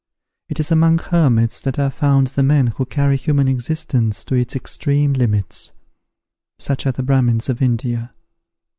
It is among hermits that are found the men who carry human existence to its extreme limits; such are the Bramins of India.